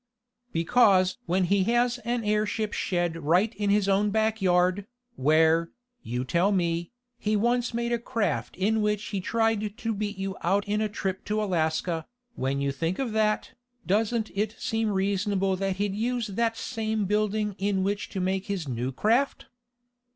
"Because when he has an airship shed right in his own backyard, where, you tell me, he once made a craft in which he tried to beat you out in the trip to Alaska, when you think of that, doesn't it seem reasonable that he'd use that same building in which to make his new craft?"